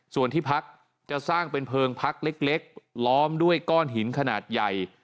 ส่วนที่พักจะสร้างเป็นเพลิงพักเล็กล้อมด้วยก้อนหินขนาดใหญ่